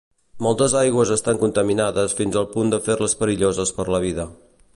Moltes aigües estan contaminades fins al punt de fer-les perilloses per la vida.